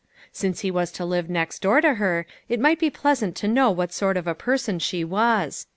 Since he was to live next door to her, it might be pleasant to know what sort of a person she was.